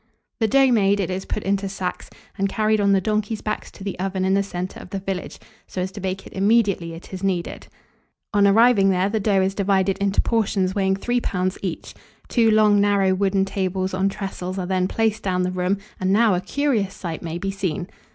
The dough made, it is put into sacks, and carried on the donkeys' backs to the oven in the centre of the village, so as to bake it immediately it is kneaded. On arriving there, the dough is divided into portions weighing 3 lbs. each. Two long narrow wooden tables on trestles are then placed down the room; and now a curious sight may be seen.